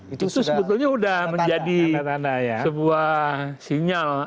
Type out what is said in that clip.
itu sebetulnya sudah menjadi sebuah sinyal